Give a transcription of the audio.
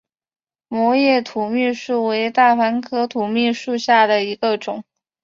膜叶土蜜树为大戟科土蜜树属下的一个种。